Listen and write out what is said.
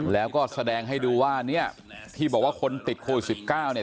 แล้วก็แสดงให้ดูว่าเนี่ยที่บอกว่าคนติดโควิด๑๙เนี่ย